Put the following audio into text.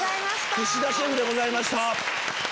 岸田シェフでございました。